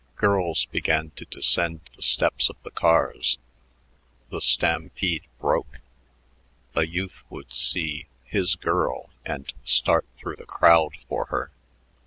Girls began to descend the steps of the cars. The stampede broke. A youth would see "his girl" and start through the crowd for her.